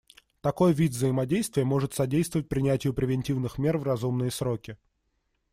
Такой вид взаимодействия может содействовать принятию превентивных мер в разумные сроки.